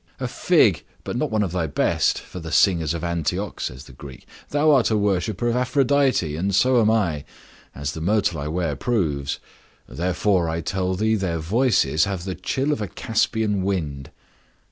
"A fig, but not one of thy best, for the singers of Antioch!" says the Greek. "Thou art a worshiper of Aphrodite, and so am I, as the myrtle I wear proves; therefore I tell thee their voices have the chill of a Caspian wind.